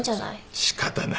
仕方ない。